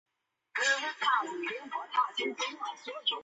目前杜鲁门号的基地是诺福克。